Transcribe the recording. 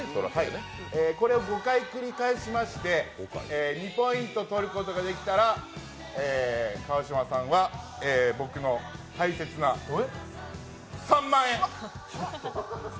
これを５回繰り返しまして、２ポイント取ることができたら川島さんは僕の大切な３万円！